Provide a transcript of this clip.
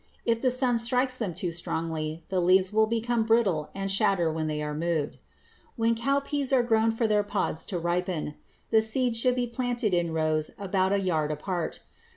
If the sun strikes them too strongly, the leaves will become brittle and shatter when they are moved. When cowpeas are grown for their pods to ripen, the seeds should be planted in rows about a yard apart.